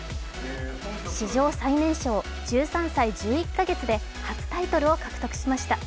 史上最年少１３歳１１か月で初タイトルを獲得しました。